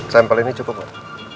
sample ini cukup pak